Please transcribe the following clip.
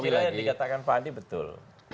saya kira yang dikatakan pak andi betul